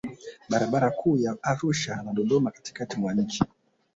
Barabara kuu ya Arusha na Dodoma katikatikati mwa nchi